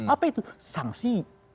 apa itu sanksi